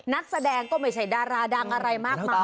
นักแสดงก็ไม่ใช่ดาราดังอะไรมากมาย